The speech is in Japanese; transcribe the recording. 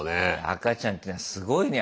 赤ちゃんってのはすごいね。